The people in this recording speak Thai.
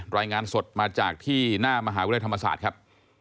รายงานสดมาจากที่หน้ามหาวิทยาลัยธรรมศาสตร์ครับ